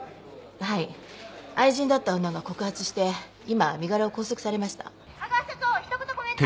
はい愛人だった女が告発して今身柄を拘束されましたテレビ「香川社長ひと言コメントを！」